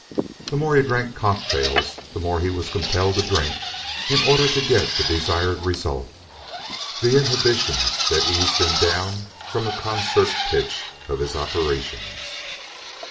The more he drank cocktails, the more he was compelled to drink in order to get the desired result, the inhibitions that eased him down from the concert pitch of his operations.